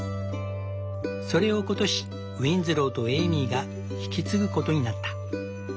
それを今年ウィンズローとエイミーが引き継ぐことになった。